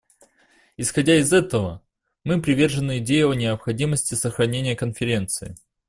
Исходя из этого, мы привержены идее о необходимости сохранения Конференции.